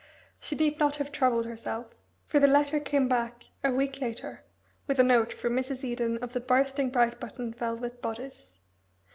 She need not have troubled herself for the letter came back a week later with a note from Mrs. Eden of the bursting, bright buttoned, velvet bodice.